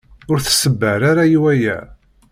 Ur tṣebber ara i waya.